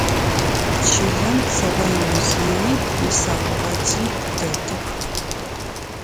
Чылэм Цыгъо имузеий исаугъэти дэтых.